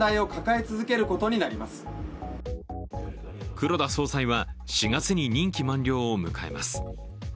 黒田総裁は４月に任期満了を迎えます。